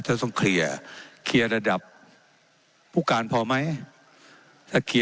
เจ้าหน้าที่ของรัฐมันก็เป็นผู้ใต้มิชชาท่านนมตรี